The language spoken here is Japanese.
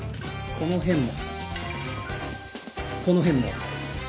この辺も。